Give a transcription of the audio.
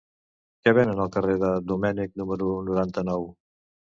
Què venen al carrer de Domènech número noranta-nou?